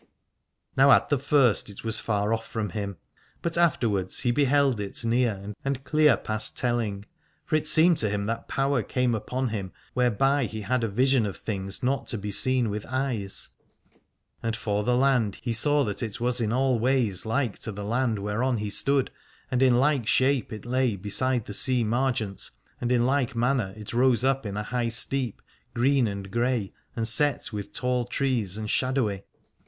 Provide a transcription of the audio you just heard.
Now at the first it was far off from him, but afterwards he beheld it near and clear past telling, for it seemed to him that power came upon him whereby he had vision of things not to be seen with eyes. And for the land, he saw that it was in all ways like to the land whereon he stood, and in like shape it lay beside the sea margent, and in like manner it rose up in a high steep, green and grey, and set with tall trees and shadowy.